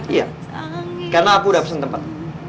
iya karena aku udah pesen tempat